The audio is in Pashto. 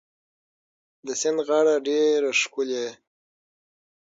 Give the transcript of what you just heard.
د سیند غاړه ډيره ښکلې